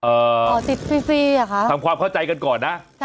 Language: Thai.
ขอติดฟรีฟรีเหรอคะทำความเข้าใจกันก่อนนะ